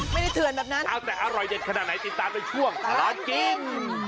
เถื่อนแบบนั้นเอาแต่อร่อยเด็ดขนาดไหนติดตามในช่วงตลอดกิน